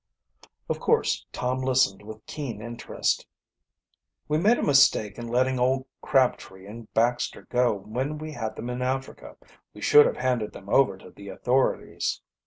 Of course Tom listened with keen interest. "We made a mistake in letting old Crabtree and Baxter go when we had them in Africa. We should have handed them over to the authorities."